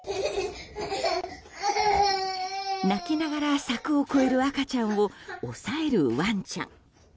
泣きながら柵を越える赤ちゃんを押さえるワンちゃん。